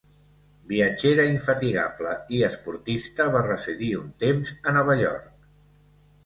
Viatgera infatigable i esportista, va residir un temps a Nova York.